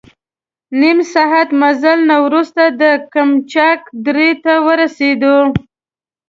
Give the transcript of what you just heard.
نیم ساعت مزل نه وروسته د قمچاق درې ته ورسېدو.